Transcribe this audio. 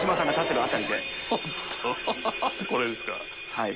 はい。